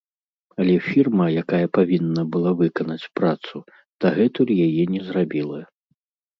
Але фірма, якая павінна была выканаць працу, дагэтуль яе не зрабіла.